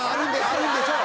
あるんでしょう！